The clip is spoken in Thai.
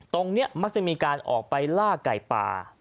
มักจะมีการออกไปล่าไก่ป่า